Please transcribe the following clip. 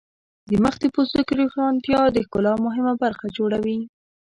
د مخ د پوستکي روښانتیا د ښکلا مهمه برخه جوړوي.